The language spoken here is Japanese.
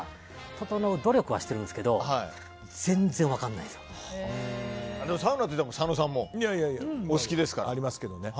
ととのう努力はしてるんですけどサウナって佐野さんもありますけどね。